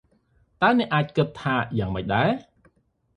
តើអ្នកអាចគិតថាយ៉ាងម៉េចដែរ?